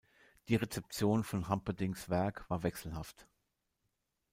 Die Rezeption von Humperdincks Werk war wechselhaft.